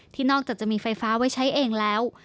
นอกจากจะมีไฟฟ้าไว้ใช้เองแล้ว